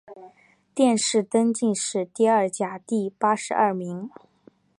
殿试登进士第二甲第八十二名。